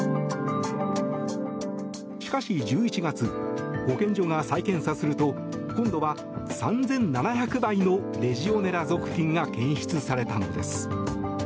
しかし１１月保健所が再検査すると今度は３７００倍のレジオネラ属菌が検出されたのです。